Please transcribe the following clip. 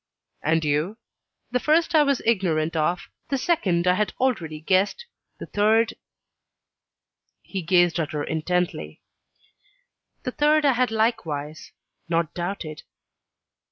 "And you?" "The first I was ignorant of; the second I had already guessed; the third " He gazed at her intently. "The third I had likewise not doubted."